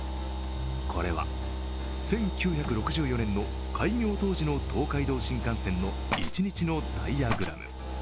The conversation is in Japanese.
これは、１９６４年の開業当時の東海道新幹線の一日のダイヤグラム。